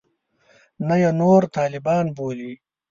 نه یې نور طالبان بولي.